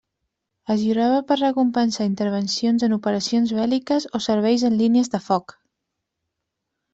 Es lliurava per recompensar intervencions en operacions bèl·liques o serveis en línies de foc.